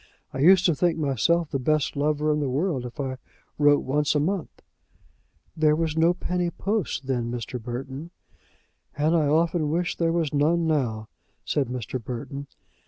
I used to think myself the best lover in the world if I wrote once a month." "There was no penny post then, Mr. Burton." "And I often wish there was none now," said Mr. Burton.